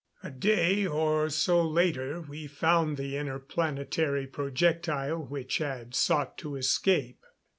A day or so later we found the interplanetary projectile which had sought to escape.